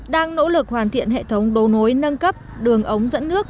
đang nỗ lực hoàn thiện hệ thống đấu nối nâng cấp đường ống dẫn nước